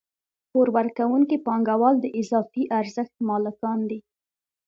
پور ورکوونکي پانګوال د اضافي ارزښت مالکان دي